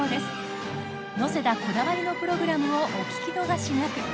ノセダこだわりのプログラムをお聞き逃しなく。